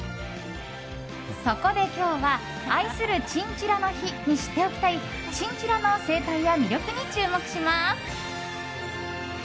そこで今日は、愛するチンチラの日に知っておきたいチンチラの生態や魅力に注目します。